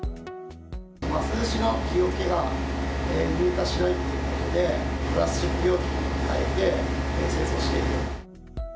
ますずしの容器が入荷しないということで、プラスチック容器に代えて製造している。